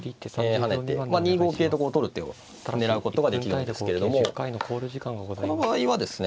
跳ねて２五桂と取る手を狙うことができるんですけれどもこの場合はですね。